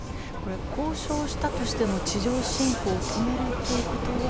交渉したとしても地上侵攻を止めるということは？